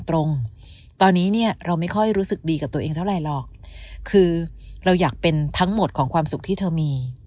ตรงนี้เนี่ยเราไม่ค่อยรู้สึกดีกับตัวเองเท่าไหร่หรอกคือเราอยากเป็นทั้งหมดของความสุขที่เธอมี